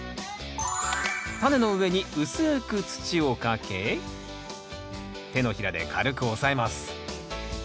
タネの上に薄く土をかけ手のひらで軽く押さえます。